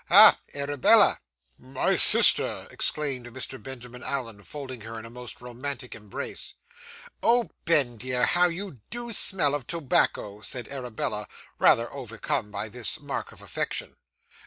Ha! Arabella!' 'My sister!' exclaimed Mr. Benjamin Allen, folding her in a most romantic embrace. 'Oh, Ben, dear, how you do smell of tobacco,' said Arabella, rather overcome by this mark of affection.